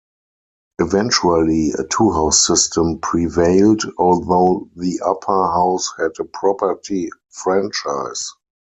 Eventually a two-house system prevailed, although the Upper House had a property franchise.